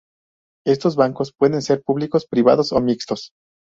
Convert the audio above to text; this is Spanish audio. Estos bancos pueden ser públicos, privados o mixtos.